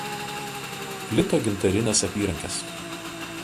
Plito gintarinės apyrankės.